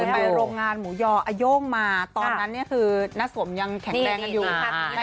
เจอโรงงานหมู่ยออโย่งมาตอนนั้นคือณสมยังแข็งแรงทั้งยุตร